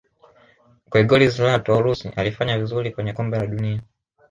gregorz lato wa urusi alifanya vizuri kwenye kombe la dunia